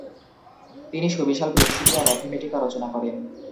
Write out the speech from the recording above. তিনি সুবিশাল Principia Mathematica রচনা করেন।